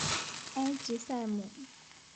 埃吉赛姆。